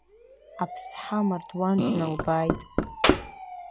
Аԥсҳа амардуан дналбааит.